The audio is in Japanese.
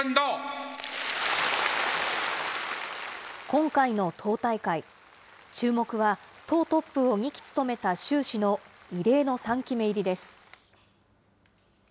今回の党大会、注目は、党トップを２期務めた習氏の、異例の３期目入りです。